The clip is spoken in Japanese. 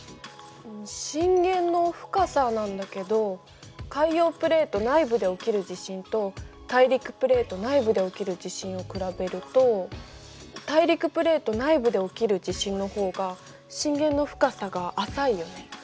震源の深さなんだけど海洋プレート内部で起きる地震と大陸プレート内部で起きる地震を比べると大陸プレート内部で起きる地震の方が震源の深さが浅いよね。